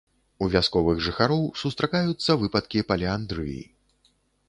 У вясковых жыхароў сустракаюцца выпадкі паліандрыі.